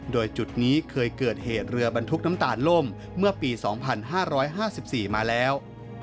โดยจุดนี้เคยเกิดเหตุเรือบรรทุกน้ำตาลล่มเมื่อปี๒๕๕๔มาแล้ว